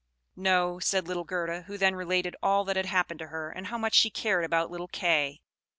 "No," said little Gerda; who then related all that had happened to her, and how much she cared about little Kay.